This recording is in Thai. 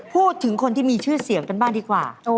พูดถึงคนที่มีชื่อเสียงกันบ้างดีกว่า